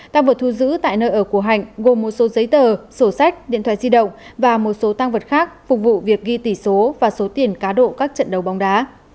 tăng vật thu giữ tại nơi ở của hạnh gồm một số giấy tờ sổ sách điện thoại di động và một số tăng vật khác phục vụ việc ghi tỷ số và số tiền cá độ các trận đấu bóng đá